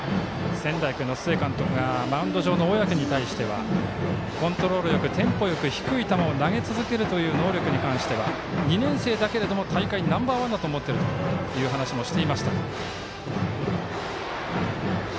仙台育英の須江監督がマウンド上の小宅に対してはコントロールよく、テンポよく低い球を投げ続けるという能力に関しては２年生だけれども大会ナンバーワンだと思っているという話をしていました。